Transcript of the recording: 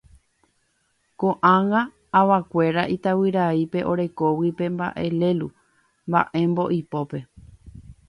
ko'ág̃a avakuéra itavyrai pe orekógui pe mba'e lélu mba'émbo ipópe.